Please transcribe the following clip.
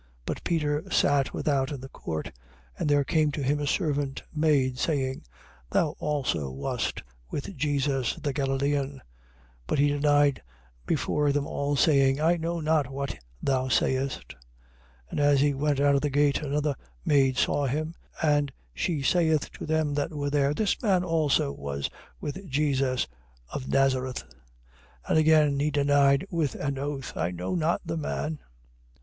26:69. But Peter sat without in the court. And there came to him a servant maid, saying: Thou also wast with Jesus the Galilean. 26:70. But he denied before them all, saying: I know not what thou sayest. 26:71. And as he went out of the gate, another maid saw him; and she saith to them that were there: This man also was with Jesus of Nazareth. 26:72. And again he denied with an oath: I know not the man.